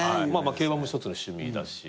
競馬も１つの趣味だし。